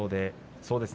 そうですね